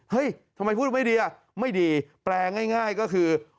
ทำไมพูดไม่ดีอ่ะไม่ดีแปลง่ายก็คือ